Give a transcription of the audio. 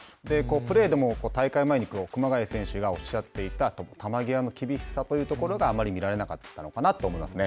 プレーでも大会前に熊谷選手がおっしゃっていた球際の厳しさというのがあまり見られなかったのかなと思いますね。